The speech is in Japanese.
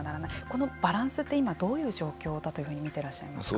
このバランスって今どういう状況だと見てらっしゃいますか。